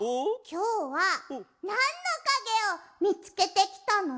きょうはなんのかげをみつけてきたの？